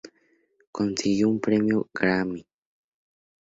Consiguió un Premio Grammy.